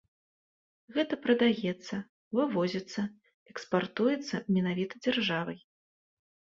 Гэта прадаецца, вывозіцца, экспартуецца менавіта дзяржавай.